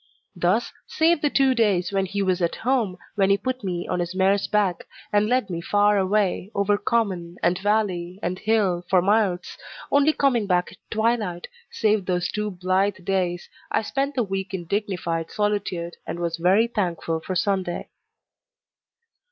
Thus save the two days when he was at home, when he put me on his mare's back, and led me far away, over common, and valley, and hill, for miles, only coming back at twilight save those two blithe days, I spent the week in dignified solitude, and was very thankful for Sunday.